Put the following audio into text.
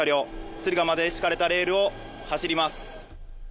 敦賀まで敷かれたレールを走ります